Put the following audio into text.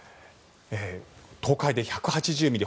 東海で１８０ミリ